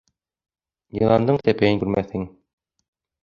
Йыландың тәпәйен күрмәҫһең.